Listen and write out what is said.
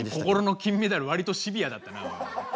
心の金メダル割とシビアだったな。